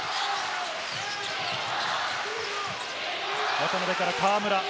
渡邊から河村。